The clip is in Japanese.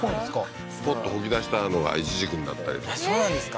ポッと吹き出したのがイチジクになったりそうなんですか？